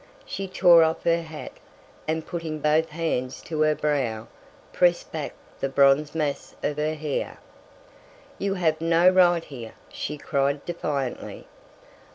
She tore off her hat, and, putting both hands to her brow, pressed back the bronze mass of her hair. "You have no right here!" she cried defiantly.